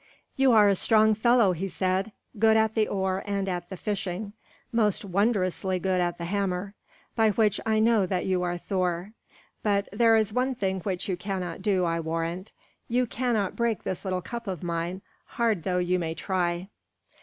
"You are a strong fellow," he said, "good at the oar and at the fishing; most wondrously good at the hammer, by which I know that you are Thor. But there is one thing which you cannot do, I warrant, you cannot break this little cup of mine, hard though you may try."